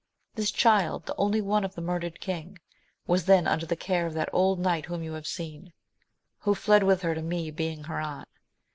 This child, the only one of the murdered king, was then under the care of that old knight whom you have seen ; who fled with her to me, being her aunt.